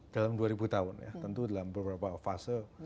dalam dua ribu tahun ya tentu dalam beberapa fase